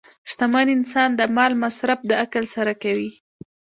شتمن انسان د مال مصرف د عقل سره کوي.